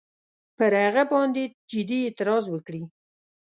پر هغه باندي جدي اعتراض وکړي.